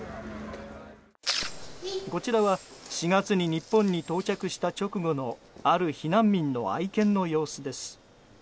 こちらは４月に日本に到着した直後のある避難民の愛犬の様子です。